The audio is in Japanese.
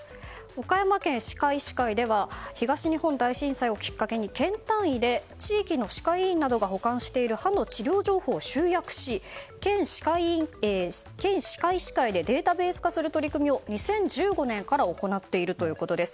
岡山県歯科医師会では東日本大震災をきっかけに県単位で地域の歯科医院などが保管している歯の治療情報を集約し県歯科医師会でデータベース化する取り組みを２０１５年から行っているということです。